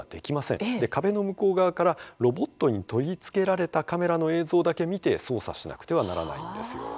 壁の向こう側からロボットに取り付けられたカメラの映像だけ見て操作しなくてはならないんですよ。